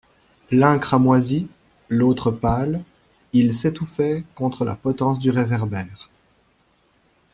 L'un cramoisi, l'autre pâle, il s'étouffaient contre la potence du réverbère.